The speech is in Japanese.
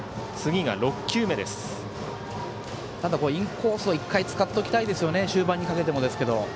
インコースを１回使っておきたい終盤にかけてもですけど。